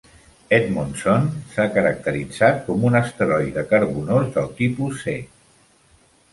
"Edmondson" s'ha caracteritzat com un asteroide carbonós del tipus C.